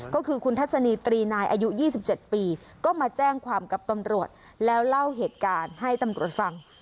ก็คือคุณทัศนีตรีนายอายุ๒๗ปีก็มาแจ้งความกับตำรวจแล้วเล่าเหตุการณ์ให้ตำรวจฟัง